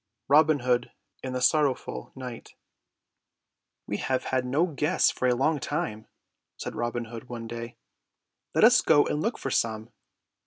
ROBIN HOOD AND THE SORROWFUL KNIGHT "We have had no guests for a long time," said Robin Hood one day. "Let us go out and look for some.